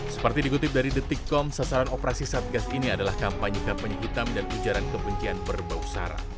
seperti dikutip dari detikkom sasaran operasi satgas ini adalah kampanye kampanye hitam dan ujaran kebencian berbau sara